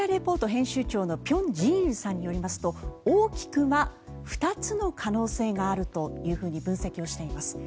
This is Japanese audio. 編集長の辺真一さんによりますと大きくは２つの可能性があるというふうに分析しています。